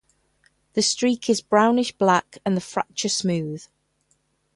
The streak is brownish black and the fracture smooth.